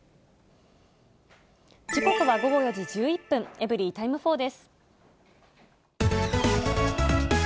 時刻は午後４時１１分、エブリィタイム４です。